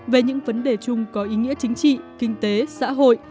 về những vấn đề chung có ý nghĩa chính trị kinh tế xã hội